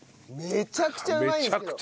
めちゃくちゃうまい！